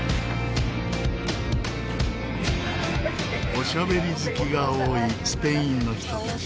おしゃべり好きが多いスペインの人たち。